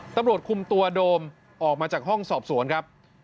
ตำรวจคุมตัวโดมออกมาจากห้องสอบสวนครับ